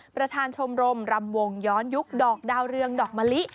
ประธานชมรมรำวงย้อนยุคดอกดาวเรืองดอกมะลิ